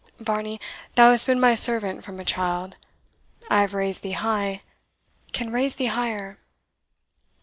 Varney, thou hast been my servant from a child. I have raised thee high can raise thee higher.